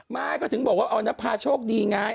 ไม่ก็ถึงบอกว่าออนภาโชคดีไง